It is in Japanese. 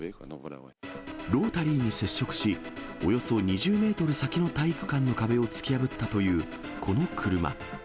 ロータリーに接触し、およそ２０メートル先の体育館の壁を突き破ったというこの車。